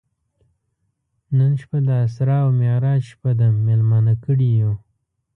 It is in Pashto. نن شپه د اسرا او معراج شپه ده میلمانه کړي یو.